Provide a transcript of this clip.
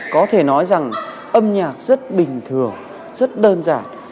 có thể nói rằng âm nhạc rất bình thường rất đơn giản